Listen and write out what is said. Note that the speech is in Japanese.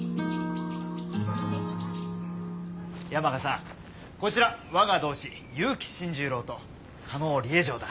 山賀さんこちら我が同志結城新十郎と加納梨江嬢だ。